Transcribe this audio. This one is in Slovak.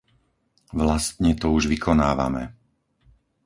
Vlastne to už vykonávame.